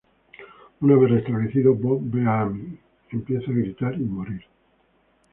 Una vez restablecido, Bob ve a Amy, empieza a gritar y morir.